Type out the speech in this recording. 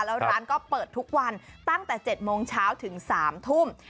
แล้วร้านก็เปิดทุกวันตั้งแต่๗โมงเช้าถึง๓ทุ่ม